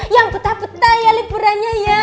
yang peta peta ya liburan